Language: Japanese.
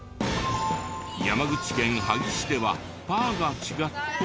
山口県萩市では「パー」が違って。